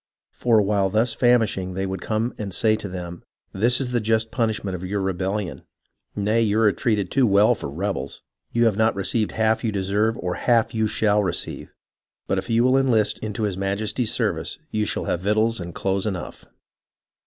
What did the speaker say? For while thus famishing they would come and say to them : 'This is the just punishment of your rebel lion. Nay, you are treated too well for rebels ; you have not received half you deserve or half you shall receive. But if you will enlist into his Majesty's service, you shall have victuals and clothes enough.'